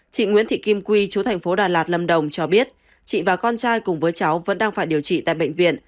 chị nguyễn thị kim quy chú thành phố đà lạt lâm đồng cho biết chị và con trai cùng với cháu vẫn đang phải điều trị tại bệnh viện